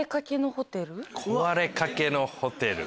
壊れかけのホテル。